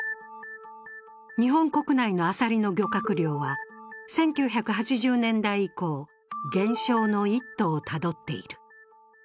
日本国内のアサリの漁獲量は１９８０年代以降、減少の一途をたどっている。